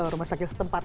rumah sakit setempat